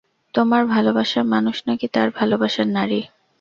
তোমার ভালোবাসার মানুষ, নাকি তার ভালোবাসার নারী?